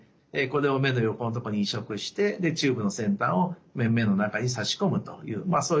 これを目の横の所に移植してチューブの先端を目の中に差し込むというそういった手術になります。